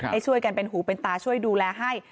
ให้ช่วยกันเป็นหูเป็นตาช่วยดูแลให้